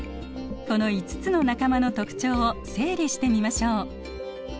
この５つの仲間の特徴を整理してみましょう。